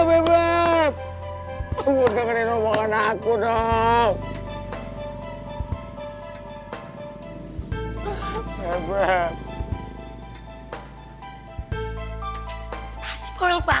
aku gak punya maksud dan tujuan apa apa bebek